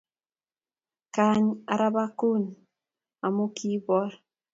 Kaany arabakun amu kiiboor